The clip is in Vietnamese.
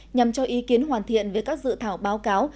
nhằm cho ý kiến hoàn thiện về các dự thảo báo cáo